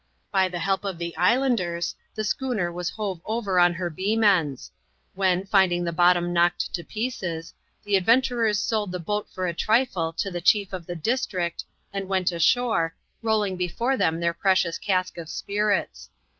By the help of the islanders, the schooner was hove over on her beam* ends ; when, finding the bottom knocked to pieces, the adven turers sold the boat for a trifie to the chief of the district, and went ashore, rolling before them their precious cask of spirits.